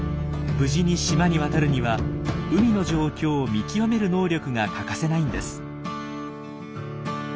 無事に島に渡るには海の状況を見極める能力が欠かせないんです。